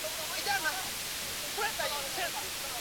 uum mambo kwa carols ancellot